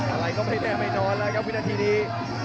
อะไรก็ไม่แน่ไม่นอนแล้วครับวินาทีนี้